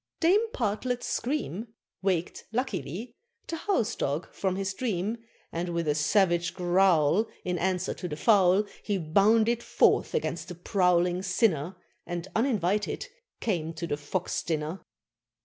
Dame Partlet's scream Waked, luckily, the house dog from his dream, And, with a savage growl In answer to the fowl, He bounded forth against the prowling sinner, And, uninvited, came to the Fox Dinner.